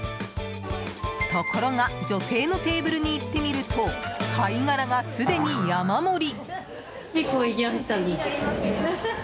ところが女性のテーブルに行ってみると貝殻がすでに山盛り！